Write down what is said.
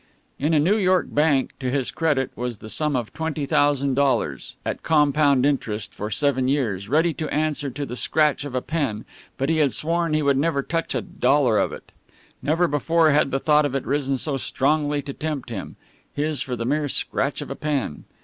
In a New York bank, to his credit, was the sum of twenty thousand dollars, at compound interest for seven years, ready to answer to the scratch of a pen, but he had sworn he would never touch a dollar of it. Never before had the thought of it risen so strongly to tempt him. His for the mere scratch of a pen!